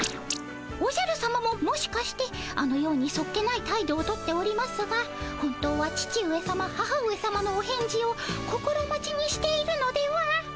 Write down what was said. おじゃるさまももしかしてあのようにそっけない態度を取っておりますが本当は父上さま母上さまのお返事を心待ちにしているのでは？